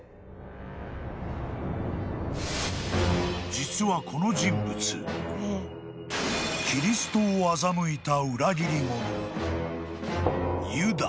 ［実はこの人物キリストを欺いた］